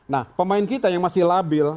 nah pemain kita yang masih labil